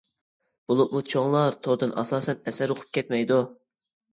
بولۇپمۇ چوڭلار توردىن ئاساسەن ئەسەر ئوقۇپ كەتمەيدۇ.